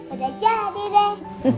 udah jadi deh